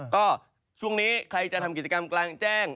ก็ช่วงนี้ใครจะทำกิจกรรมกลางแจ้ง